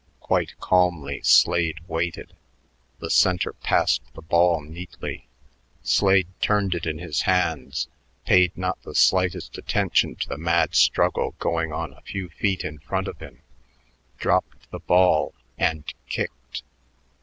Quite calmly Slade waited. The center passed the ball neatly. Slade turned it in his hands, paid not the slightest attention to the mad struggle going on a few feet in front of him, dropped the ball and kicked.